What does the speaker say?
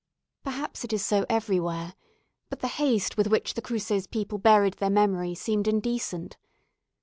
Perhaps it is so everywhere; but the haste with which the Cruces people buried their memory seemed indecent.